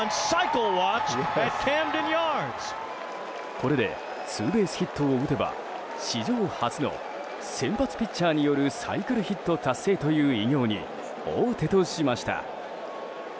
これでツーベースヒットを打てば史上初の先発ピッチャーによるサイクルヒット達成という偉業に王手としました。